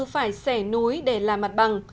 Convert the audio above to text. phải xẻ núi để làm mặt bằng